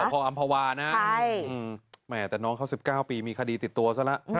พออำภาวานะแหมแต่น้องเขา๑๙ปีมีคดีติดตัวซะแล้ว